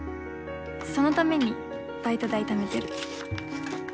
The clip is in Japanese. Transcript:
そのためにバイト代ためてる。